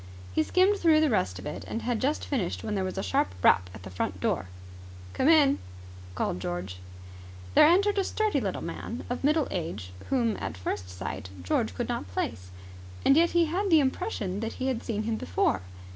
He skimmed through the rest of it, and had just finished when there was a sharp rap at the front door. "Come in!" called George. There entered a sturdy little man of middle age whom at first sight George could not place. And yet he had the impression that he had seen him before.